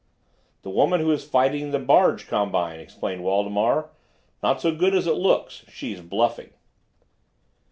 "The woman who is fighting the barge combine," explained Waldemar. "Not so good as it looks. She's bluffing."